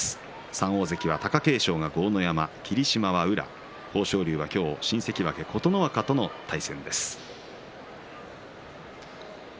３大関は貴景勝が豪ノ山霧島は宇良豊昇龍は今日、新関脇琴ノ若との対戦です。